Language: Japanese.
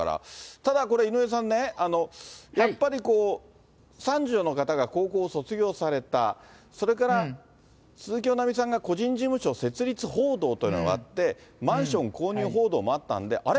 ただこれ、井上さんね、やっぱり三女の方が高校を卒業された、それから鈴木保奈美さんが個人事務所設立報道というのがあって、マンション購入報道もあったんで、あれ？